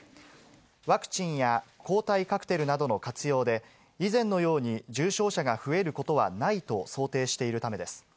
ワクチンや抗体カクテルなどの活用で、以前のように重症者が増えることはないと想定しているためです。